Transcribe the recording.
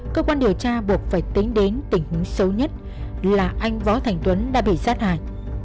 cơ quan điều tra buộc phải tính đến tình huống xấu nhất là anh võ thành tuấn đã bị sát hại